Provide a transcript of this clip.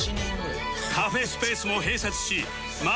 カフェスペースも併設し麻雀